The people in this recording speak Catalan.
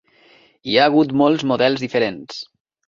Hi ha hagut molts models diferents.